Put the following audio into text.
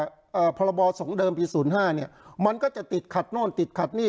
อ่าพรบสงฆ์เดิมปีศูนย์ห้าเนี้ยมันก็จะติดขัดโน่นติดขัดหนี้